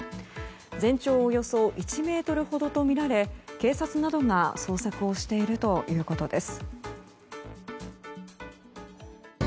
全長およそ１ｍほどとみられ警察などが捜索をしているということです。